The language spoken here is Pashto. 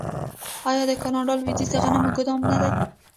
آیا د کاناډا لویدیځ د غنمو ګدام نه دی؟